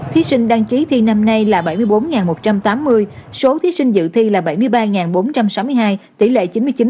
thí sinh đăng ký thi năm nay là bảy mươi bốn một trăm tám mươi số thí sinh dự thi là bảy mươi ba bốn trăm sáu mươi hai tỷ lệ chín mươi chín